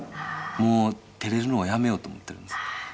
もう照れるのはやめようと思ってるんです。